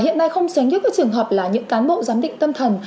hiện nay không sớm nhất các trường hợp là những cán bộ giám định tâm thần